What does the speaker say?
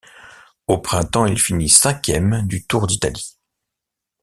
Au printemps, il finit cinquième du Tour d'Italie.